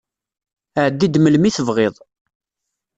Ɛeddi-d melmi i tebɣiḍ.